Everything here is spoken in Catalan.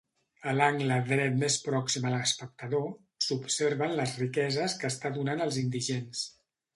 A l'angle dret més pròxim a l'espectador, s'observen les riqueses que està donant als indigents.